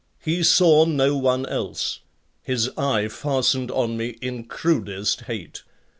He saw no one else. His eye fastened on me in crudest hate.